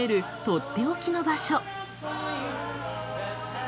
とっておきの場所。